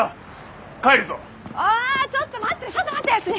ああちょっと待ってちょっと待って康にぃ！